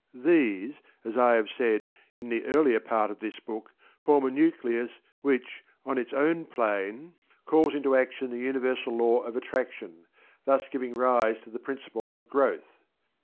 These, as I have said in the earlier part of this book, form a nucleus which, on its own plane, calls into action the universal Law of Attraction, thus giving rise to the principle of Growth.